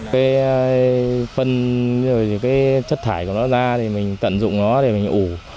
cái phân cái chất thải của nó ra thì mình tận dụng nó để mình ủ